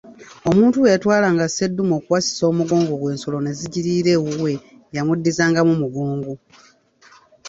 "Omuntu bwe yatwalanga seddume okuwasisa omugongo gwe, ensolo ne zigiriira ewuwe, yamuddizangamu mugongo."